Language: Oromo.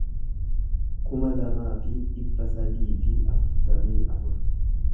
kuma lamaa fi dhibba sadii fi sagaltamii afur